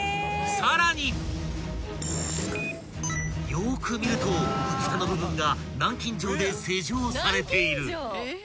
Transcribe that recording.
［よーく見るとふたの部分が南京錠で施錠されている］